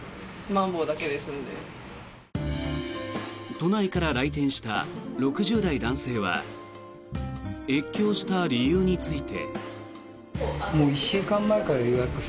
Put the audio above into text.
都内から来店した６０代男性は越境した理由について。